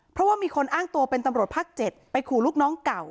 เพราะว่ามีคนอ้างตัวเป็นตำรวจภาค๗ไปขู่ลูกน้องเก่า